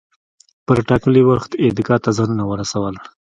پر ټاکلي وخت عیدګاه ته ځانونه ورسول.